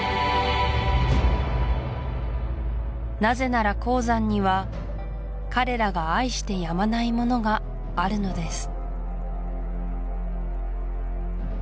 なぜなら黄山には彼らが愛してやまないものがあるのです